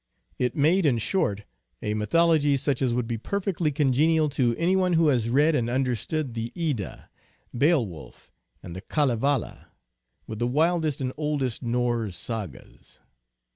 It made, in short, a mythology such as would be perfectly congenial to any one who has read and understood the Edda, Beowulf, and the Kalevala, with the wildest and oldest Norse sagas.